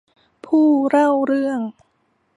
ผู้เล่าเรื่อง